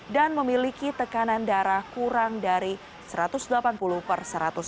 dan memiliki tekanan darah kurang dari satu ratus delapan puluh per satu ratus sepuluh